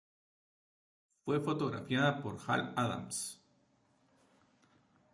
Fue fotografiada por Hal Adams.